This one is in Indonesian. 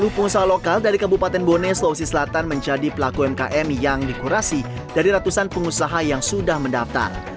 sepuluh pengusaha lokal dari kabupaten bone sulawesi selatan menjadi pelaku umkm yang dikurasi dari ratusan pengusaha yang sudah mendaftar